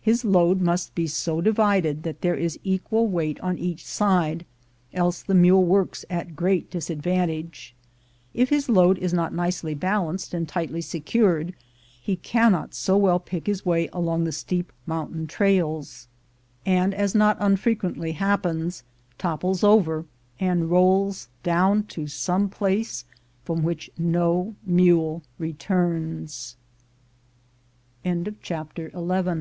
His load must be so divided that there is an equal weight on each side, else the mule works at great disadvantage. H his load is not nicely balanced and tightly secured, he cannot so well pick his way along the steep mountain trails, and, as not unfrequently happens, topples over and rolls down to some place